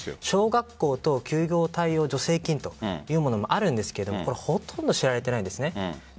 小学校等休業対応助成金というものもあるんですがほとんど知られていないんです。